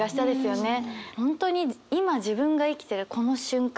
本当に今自分が生きてるこの瞬間